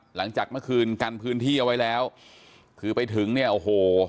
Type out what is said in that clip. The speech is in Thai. หลังจากเมื่อคืนกันพื้นที่เอาไว้แล้วคือไปถึงเนี่ยโอ้โห